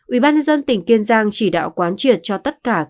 ubnd tỉnh kiên giang chỉ đạo quán triệt cho tất cả công ty